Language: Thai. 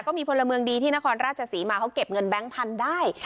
พลเมืองดีที่นครราชศรีมาเขาเก็บเงินแบงค์พันธุ์ได้